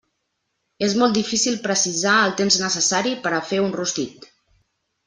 És molt difícil precisar el temps necessari per a fer un rostit.